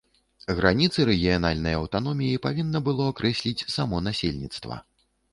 Граніцы рэгіянальнай аўтаноміі павінна было акрэсліць само насельніцтва.